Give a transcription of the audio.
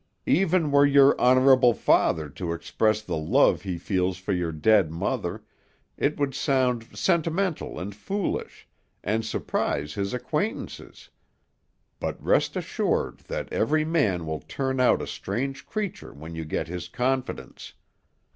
Even were your honorable father to express the love he feels for your dead mother, it would sound sentimental and foolish, and surprise his acquaintances; but rest assured that every man will turn out a strange creature when you get his confidence.